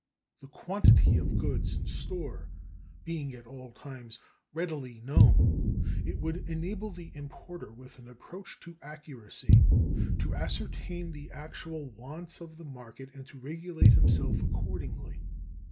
The quantity of goods in store being at all times readily known, it would enable the importer with an approach to accuracy to ascertain the actual wants of the market and to regulate himself accordingly.